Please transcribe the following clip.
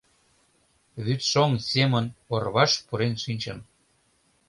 Вӱдшоҥ семын орваш пурен шинчын